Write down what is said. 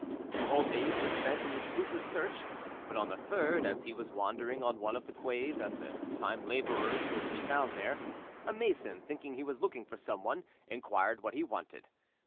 Two whole days were spent in this fruitless search, but on the third, as he was wandering on one of the quays at the time labourers were to be found there, a mason, thinking he was looking for someone, inquired what he wanted.